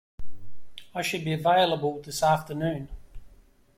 I should be available this afternoon